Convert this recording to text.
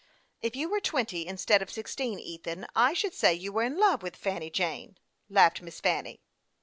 " If you were twenty, instead of sixteen, Ethan, I should say you were in love with Fanny Jane," laughed Miss Fanny.